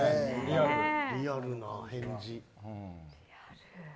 リアルな返事。